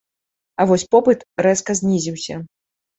А вось попыт рэзка знізіўся.